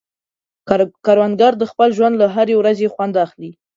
کروندګر د خپل ژوند له هرې ورځې خوند اخلي